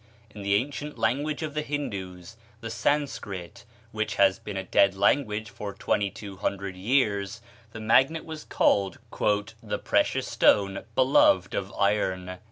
In the ancient language of the Hindoos, the Sanscrit which has been a dead language for twenty two hundred years the magnet was called "the precious stone beloved of Iron."